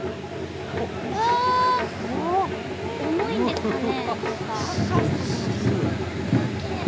重いんですかね？